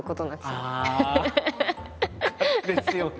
ですよね。